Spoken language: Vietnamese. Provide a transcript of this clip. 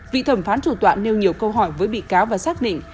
vị thẩm phán chủ tọa nêu nhiều câu hỏi với bị cáo và xác định